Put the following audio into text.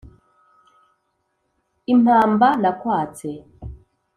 impamba nakwatse